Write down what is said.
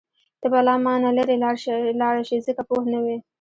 ته به له مانه لرې لاړه شې ځکه پوه نه وې.